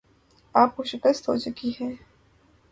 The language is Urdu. آپ کو شکست ہوچکی ہے